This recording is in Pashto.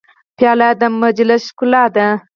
پیاله د مجلس ښکلا ده.